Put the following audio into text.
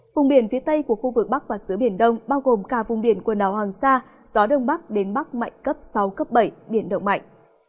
vùng biển phía tây của khu vực bắc và giữa biển đông bao gồm cả vùng biển quần đảo hoàng sa gió đông bắc đến bắc mạnh cấp sáu cấp bảy biển động mạnh